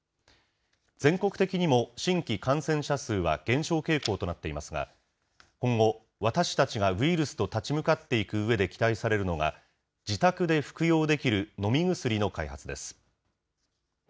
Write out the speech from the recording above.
全国的にも新規感染者数は減少傾向となっていますが、今後、私たちがウイルスと立ち向かっていくうえで期待されるのが、自宅で服用できる飲み薬の開発です。